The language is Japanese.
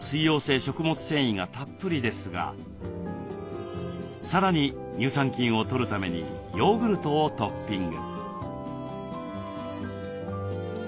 繊維がたっぷりですがさらに乳酸菌をとるためにヨーグルトをトッピング。